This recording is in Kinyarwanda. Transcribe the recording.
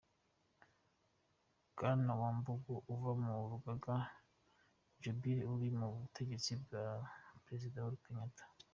Bwana Wambugu ava mu rugaga Jubilee ruri ku butegetsi rwa Perezida Uhuru Kenyatta.